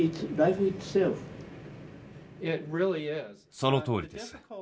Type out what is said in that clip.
そのとおりです。